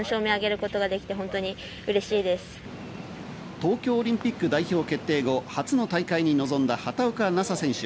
東京オリンピック代表決定後、初の大会に臨んだ畑岡奈紗選手。